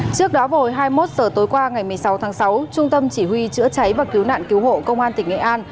trước đó hồi hai mươi một h tối qua ngày một mươi sáu tháng sáu trung tâm chỉ huy chữa cháy và cứu nạn cứu hộ công an tỉnh nghệ an